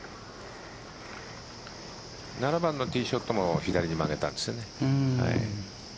７番のティーショットも左に曲げたんですよね。